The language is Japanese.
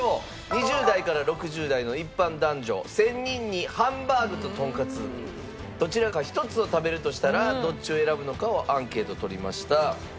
２０代から６０代の一般男女１０００人にハンバーグととんかつどちらか１つを食べるとしたらどっちを選ぶのかをアンケート取りました。